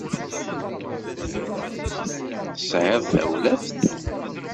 Tesɛiḍ tawlaft?